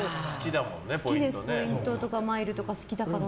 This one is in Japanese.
好きです、ポイントとかマイルとか好きだから。